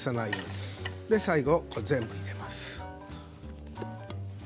そして最後全部入れます。